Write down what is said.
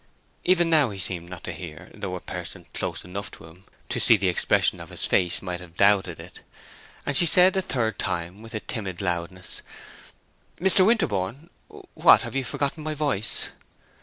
Even now he seemed not to hear, though a person close enough to him to see the expression of his face might have doubted it; and she said a third time, with a timid loudness, "Mr. Winterborne! What, have you forgotten my voice?"